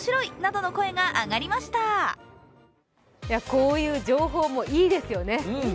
こういう情報もいいですよね。